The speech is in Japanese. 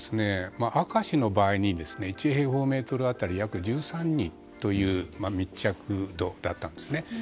明石の場合に１平方メートル当たり１３人の密着度だったんですね。